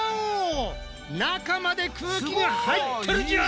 中まで空気が入ってるじゃん！